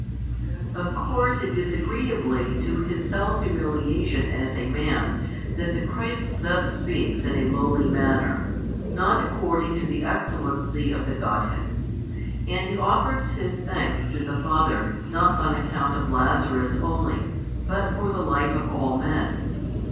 Of course it is agreeably to His self humiliation as a Man that the Christ thus speaks in a lowly manner, not according to the excellency of the Godhead: and He offers His thanks to the Father not on account of Lazarus only, but for the life of all men.